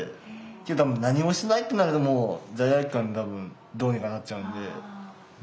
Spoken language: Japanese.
多分何もしないってなると罪悪感で多分どうにかなっちゃうんで。